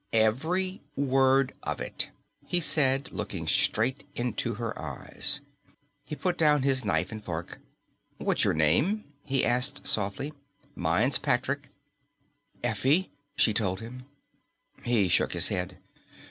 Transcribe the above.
"Every word of it," he said, looking straight into her eyes. He put down his knife and fork. "What's your name?" he asked softly. "Mine's Patrick." "Effie," she told him. He shook his head.